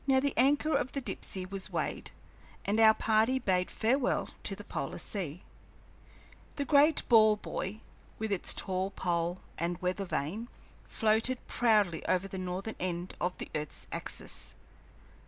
Now the anchor of the Dipsey was weighed, and our party bade farewell to the polar sea. The great ball buoy, with its tall pole and weathervane, floated proudly over the northern end of the earth's axis.